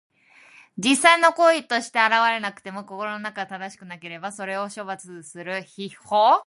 実際の行為として現れなくても、心の中が正しくなければ、それを処罰する筆法。